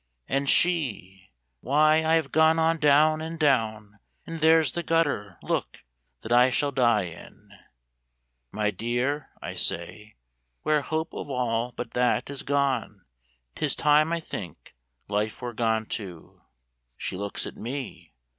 And she—"Why, I have gone on down and down, And there's the gutter, look, that I shall die in!" "My dear," I say, "where hope of all but that Is gone, 'tis time, I think, life were gone too." She looks at me.